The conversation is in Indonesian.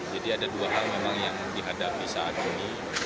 jadi ada dua hal memang yang dihadapi saat ini